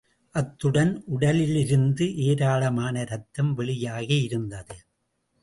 அத்துடன் உடலிலிருந்து ஏராளமான ரத்தம் வெளியாகியிருந்தது.